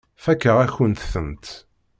Fakeɣ-akent-tent.